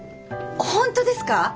本当ですか？